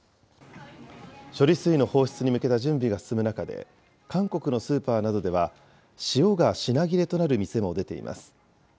処理水の放出に向けた準備が進む中で、韓国のスーパーなどでは、塩が品切れとなる店も出ています。